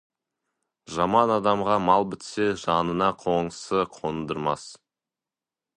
Жаман адамға мал бітсе, жанына қоңсы қондырмас.